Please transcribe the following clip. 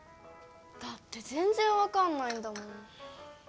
だってぜんぜんわかんないんだもん！